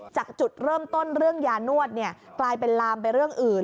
จากจุดเริ่มต้นเรื่องยานวดกลายเป็นลามไปเรื่องอื่น